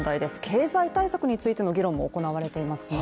経済対策についての議論も行われていますね。